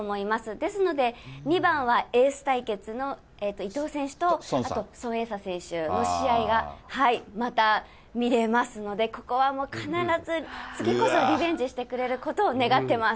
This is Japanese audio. ですので、２番はエース対決の伊藤選手と孫穎莎選手の試合がまた見れますので、ここはもう、必ず次こそリベンジしてくれることを願ってます。